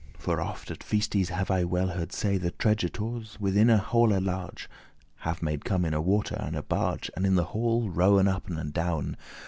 *tricksters <14> For oft at feaste's have I well heard say, That tregetours, within a halle large, Have made come in a water and a barge, And in the halle rowen up and down.